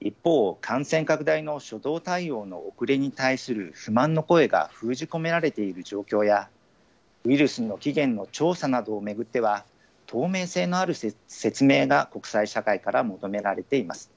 一方、感染拡大の初動対応の遅れに対する不満の声が封じ込められている状況や、ウイルスの起原の調査などを巡っては、透明性のある説明が国際社会から求められています。